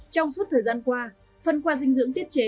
trong suốt thời gian qua phân khoa dinh dưỡng tiết chế